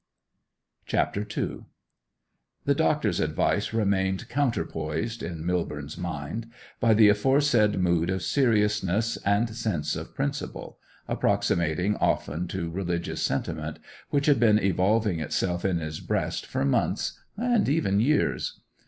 CHAPTER II The doctor's advice remained counterpoised, in Millborne's mind, by the aforesaid mood of seriousness and sense of principle, approximating often to religious sentiment, which had been evolving itself in his breast for months, and even years.